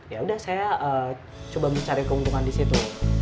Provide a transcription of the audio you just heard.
ya sudah saya coba mencari keuntungan disitu